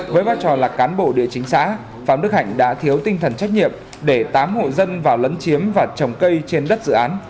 với vai trò là cán bộ địa chính xã phạm đức hạnh đã thiếu tinh thần trách nhiệm để tám hộ dân vào lấn chiếm và trồng cây trên đất dự án